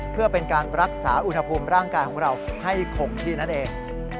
เพื่อเป็นการรักษาอุณหภูมิร่างกายของเราให้คงที่นั่นเอง